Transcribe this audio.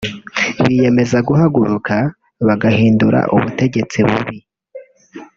biyemeza guhaguruka bagahindura ubutegetsi bubi